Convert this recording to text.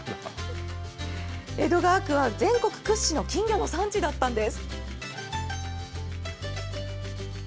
江戸川区は全国屈指の金魚の産地だったんです。